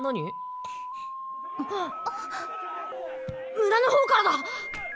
村の方からだ。